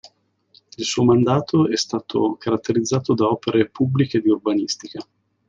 Il suo mandato è stato caratterizzato da opere pubbliche di urbanistica.